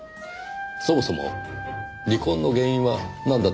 そもそも離婚の原因はなんだったんですか？